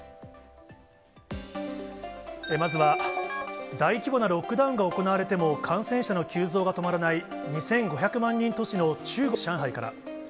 まずは、大規模なロックダウンが行われても感染者の急増が止まらない２５００万人都市の中国・上海から。